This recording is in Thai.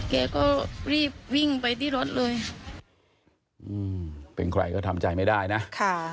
แกก็รีบวิ่งไปที่รถเลยอืมเป็นใครก็ทำใจไม่ได้นะค่ะ